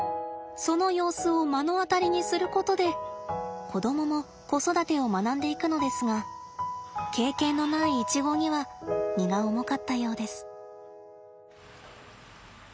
その様子を目の当たりにすることで子供も子育てを学んでいくのですが経験のないイチゴには荷が重かったようです。